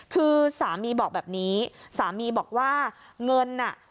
คือสามีบอกแบบนี้สามีบอกว่าเงินน่ะ